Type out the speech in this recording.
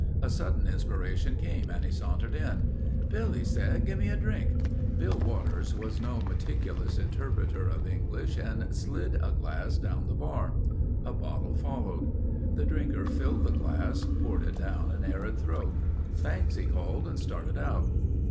A sudden inspiration came and he sauntered in. "Bill," he said, "gimme a drink...." Bill Waters was no meticulous interpreter of English and slid a glass down the bar. A bottle followed. The drinker filled the glass, poured it down an arid throat. "Thanks," he called and started out.